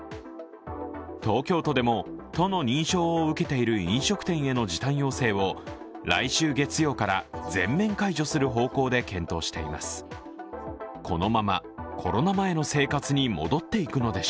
東京都でも都の認証を受けている飲食店への時短要請を来週月曜から、全面解除する方向で検討しています。